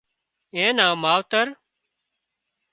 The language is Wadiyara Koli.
اين نان ماوتر